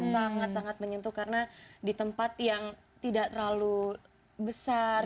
sangat sangat menyentuh karena di tempat yang tidak terlalu besar